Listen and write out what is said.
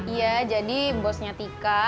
iya jadi bosnya tika